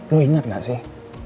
lu inget gak sih